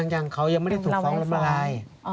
ยังเขายังไม่ได้ถูกฟ้องล้มละลาย